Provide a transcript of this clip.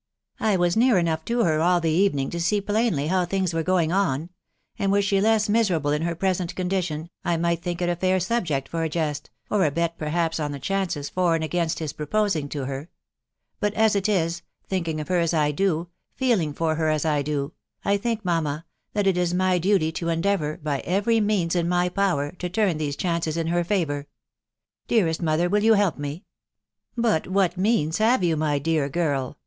I was near enough to her all the evening to see plainly how things were going on ; and were she less miserable in her present condition, I might think it a fair subject for a jest, or a bet perhaps on the chances for and against his proposing to her. But as it is, — thinking of her as I do, feeling for her as I do, — I think, mamma, that it is my duty to en deavour, by every means in my power, to turn these chances in her favour. Dearest mother, will you help me?" " But what means have you, my dear girl ?